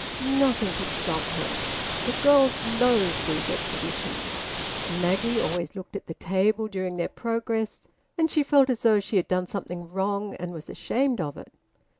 Nothing could stop her. The girls loathed these exhibitions. Maggie always looked at the table during their progress, and she felt as though she had done something wrong and was ashamed of it.